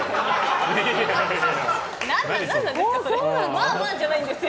まあまあじゃないんですよ。